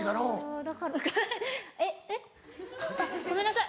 あっごめんなさい。